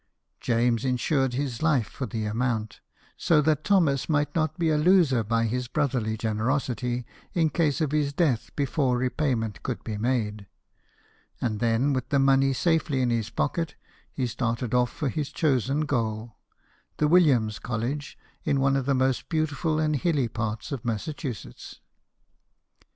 James insured his life for the amount, so that Thomas might not be a loser by his brotherly generosity in case of his death before repayment could be made ; and then, with the money safe in his pocket, he started off for his chosen goal, the Williams College, in one of the most beautiful and hilly parts of Massachusetts.